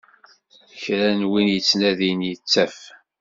Kra n win yettnadin, yettaf.